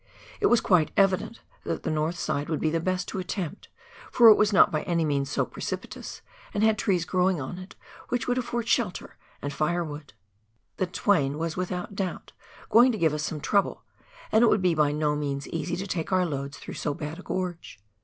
It was quite evident that the north side would be the best to attempt, for it was not by any means so precipitous, and had trees growing on it which would afford shelter and firewood. The Twain was without doubt going to give us some trouble, and it would be by no means easy to take our loads through so bad a gorge.